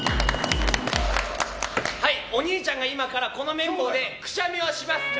お兄ちゃんが今からこの綿棒でくしゃみをします。